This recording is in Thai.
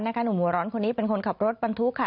หนุ่มหัวร้อนคนนี้เป็นคนขับรถบรรทุกค่ะ